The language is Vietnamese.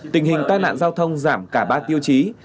tình hình tai nạn giao thông giảm cả ba tiêu chí